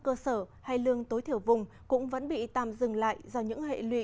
cơ sở hay lương tối thiểu vùng cũng vẫn bị tạm dừng lại do những hệ lụy